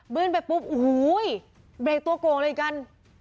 บลื้นไปปุ๊บอูหูยยยเบรกตัวโกงเลยอีกกัน